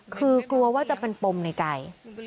คือกลัวว่าจะเป็นปมในใจ